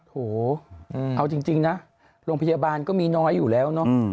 โถเอาจริงนะโรงพยาบาลก็มีน้อยอยู่แล้วเนอะ